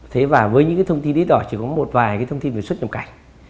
thế và với những thông tin đế đỏ chỉ có một vài thông tin về xuất nhập cảnh